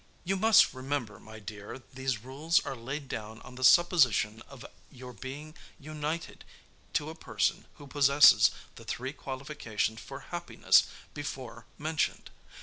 "You must remember, my dear, these rules are laid down on the supposition of your being united to a person who possesses the three qualifications for happiness before mentioned.